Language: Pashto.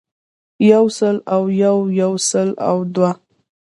يو سل او يو يو سل او دوه